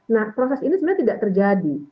nah proses ini sebenarnya tidak terjadi